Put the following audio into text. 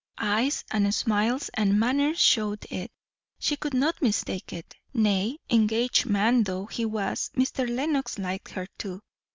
Eyes and smiles and manner showed it; she could not mistake it; nay, engaged man though he was, Mr. Lenox liked her too.